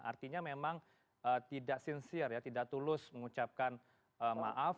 artinya memang tidak sincere ya tidak tulus mengucapkan maaf